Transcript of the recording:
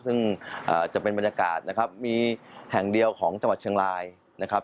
ซึ่งจะเป็นบรรยากาศนะครับมีแห่งเดียวของจังหวัดเชียงรายนะครับ